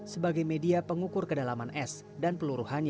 sebagai media pengukur kedalaman es dan peluruhannya